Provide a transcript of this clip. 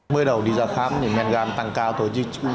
mới đầu đi ra khám thì men gan tăng cao thôi